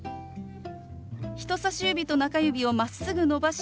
人さし指と中指をまっすぐ伸ばし